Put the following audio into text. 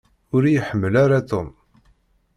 Ur iyi-ḥemmel ara Tom.